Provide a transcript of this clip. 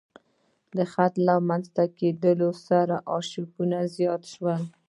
د خط له رامنځته کېدو سره ارشیفونه زیات شول.